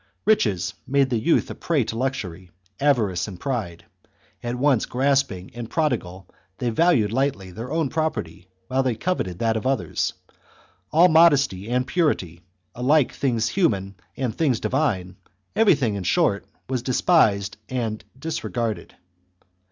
Riches made the youth a prey to luxury, avarice, and pride : at once grasping and prodigal, they valued lightly their own property, while they coveted that of others ; all modesty and purity, alike things human and things divine, everything, in short, was despised and disre garded.